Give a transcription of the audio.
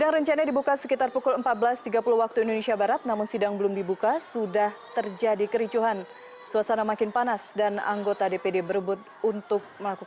rapat yang digelar di gedung nusantara v